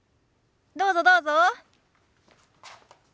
どうぞどうぞ。